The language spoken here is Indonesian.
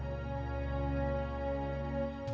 hasil tes lab nana sudah keluar